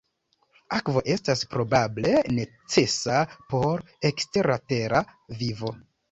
Akvo estas probable necesa por ekstertera vivo.